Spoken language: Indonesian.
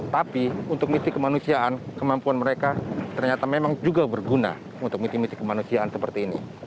tapi untuk misi kemanusiaan kemampuan mereka ternyata memang juga berguna untuk miti misi kemanusiaan seperti ini